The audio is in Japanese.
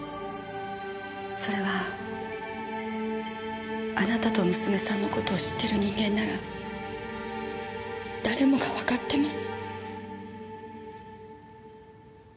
それはあなたと娘さんの事を知ってる人間なら誰もがわかってます。